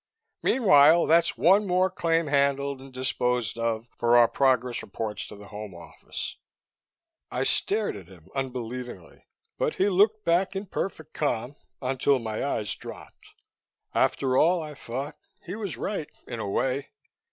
Meanwhile that's one more claim handled and disposed of, for our progress reports to the Home Office." I stared at him unbelievingly. But he looked back in perfect calm, until my eyes dropped. After all, I thought, he was right in a way.